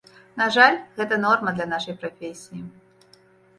На жаль, гэта норма для нашай прафесіі.